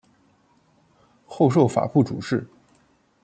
后授法部主事。